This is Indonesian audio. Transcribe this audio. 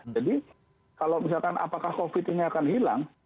jadi kalau misalkan apakah covid ini akan hilang